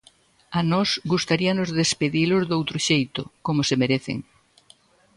A nós gustaríanos despedilos doutro xeito, como se merecen.